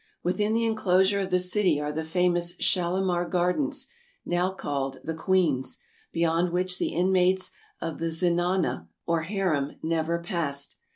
Within the enclosure of the city are the famous shalimar gardens, now called the Queen's, beyond which the inmates of the zenana, or harem, never passed.